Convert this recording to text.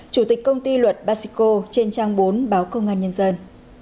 chủ tịch công ty luật basico trên trang bốn báo công an nhân dân